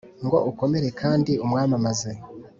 ngo ukomere kandi umwamamaze